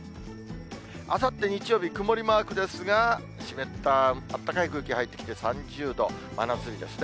あさって日曜日、曇りマークですが、湿ったあったかい空気が入ってきて３０度、真夏日ですね。